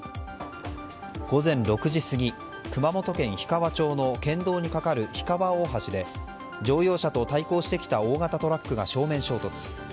午前６時過ぎ、熊本県氷川町の県道に架かる氷川大橋で乗用車と対向してきた大型トラックが正面衝突。